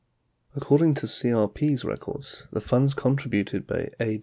38 According to CRP's records, the funds contributed by A.